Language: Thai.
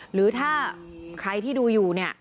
หรือถ้าใครที่ดูอยู่